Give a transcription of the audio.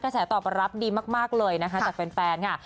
แสตอบรับดีมากเลยนะคะจากแฟนค่ะ